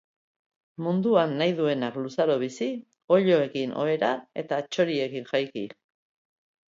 Munduan nahi duenak luzaroan bizi, oiloekin ohera eta txoriekin jaiki.